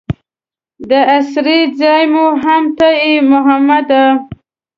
د اسرې ځای مو هم ته یې محمده.